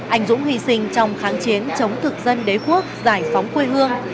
anh dũng hy sinh trong kháng chiến chống thực dân đế quốc giải phóng quê hương